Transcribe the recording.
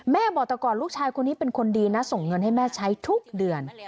บอกแต่ก่อนลูกชายคนนี้เป็นคนดีนะส่งเงินให้แม่ใช้ทุกเดือน